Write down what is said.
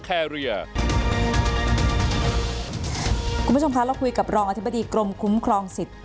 คุณผู้ชมคะเราคุยกับรองอธิบดีกรมคุ้มครองสิทธิ์